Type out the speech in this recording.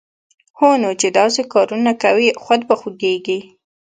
هونو چې داسې کارونه کوی، خود به خوږېږې